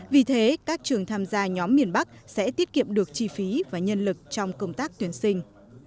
vì thế các trường tham gia nhóm miền bắc sẽ tiết kiệm được chi phí và nhân lực trong công tác tuyển sinh